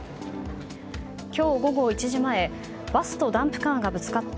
今日午後１時前バスとダンプカーがぶつかった。